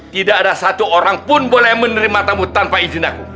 tidak ada satu orang pun boleh menerima tamu tanpa izin aku